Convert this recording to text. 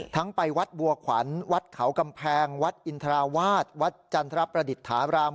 ไปวัดบัวขวัญวัดเขากำแพงวัดอินทราวาสวัดจันทรประดิษฐาราม